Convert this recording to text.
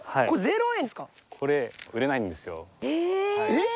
えっ？